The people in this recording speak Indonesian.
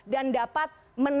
dan bisa membuat mereka lebih baik